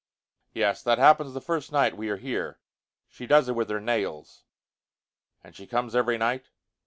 "Yes. That happens the first night we are here. She does it with her nails." "And she comes every night?"